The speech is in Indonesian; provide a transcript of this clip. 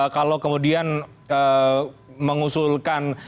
kalau kemudian mengusulkan